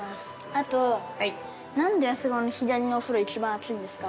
あとなんであそこの左のお風呂は一番熱いんですか？